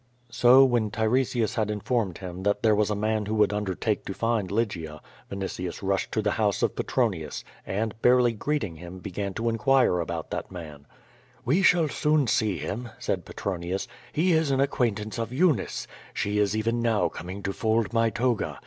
So, when Tiresias had infonned him that there was a man who would undertake to find Lygia, Vinitius rushed to the house of Petronius, and, barely greeting him, began to inquire about that man, "We shall soon see him," said Petronius. "He is an ac quaintance of Eunice. She is even now coming to fold my toga.